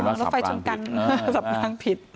รถไฟชนกันสำรางผิด